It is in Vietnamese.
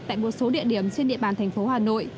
tại một số địa điểm trên địa bàn thành phố hà nội